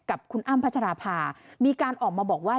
กับคุณอ้ำพัชราภามีการออกมาบอกว่า